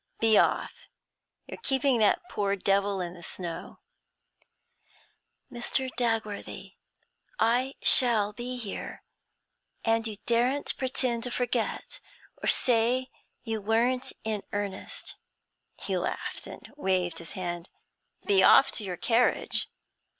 Be off; you're keeping that poor devil in the snow.' 'Mr. Dagworthy, I shall be here, and you daren't pretend to forget, or to say you weren't in earnest.' He laughed and waved his hand. 'Be off to your carriage!'